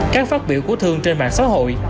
các phát biểu của thương trên mạng xã hội